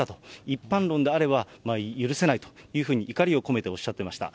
一般論であれば、許せないというふうに怒りを込めておっしゃってました。